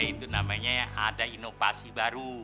itu namanya ada inovasi baru